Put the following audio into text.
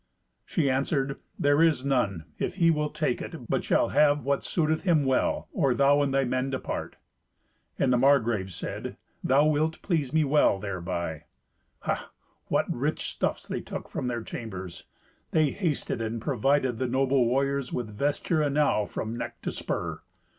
She answered, "There is none, if he will take it, but shall have what suiteth him well, or thou and thy men depart." And the Margrave said, "Thou wilt please me well thereby." Ha! what rich stuffs they took from their chambers! They hasted and provided the noble warriors with vesture enow from neck to spur.